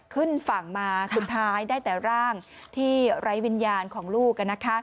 ขึ้นฝั่งมาสุดท้ายได้แต่ร่างที่ไร้วิญญาณของลูก